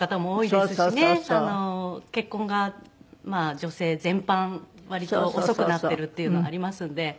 結婚が女性全般割と遅くなっているっていうのがありますので。